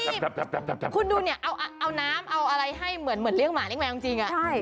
คุณดูเนี่ยเอาน้ำเอาอะไรให้เหมือนเลี้ยหมาเลี้แมวจริง